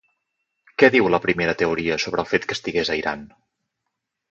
Què diu la primera teoria sobre el fet que estigués a Iran?